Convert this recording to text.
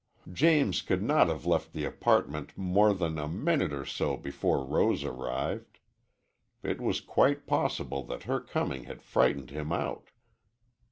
James could not have left the apartment more than a minute or so before Rose arrived. It was quite possible that her coming had frightened him out.